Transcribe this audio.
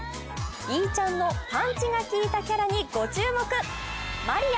イーちゃんのパンチがきいたキャラにご注目マリア。